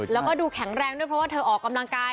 แล้วก็ดูแข็งแรงด้วยเพราะว่าเธอออกกำลังกาย